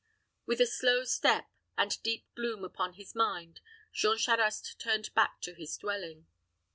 With a slow step, and deep gloom upon his mind, Jean Charost turned back to his dwelling.